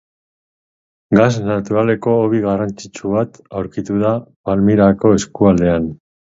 Gas naturaleko hobi garrantzitsu bat aurkitu da Palmirako eskualdean.